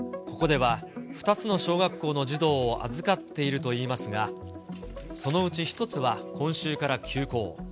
ここでは２つの小学校の児童を預かっているといいますが、そのうち１つは今週から休校。